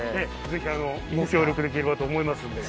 ぜひご協力できればと思いますんで。